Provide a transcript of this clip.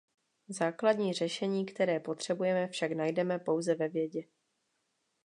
Základní řešení, které potřebujeme, však najdeme pouze ve vědě.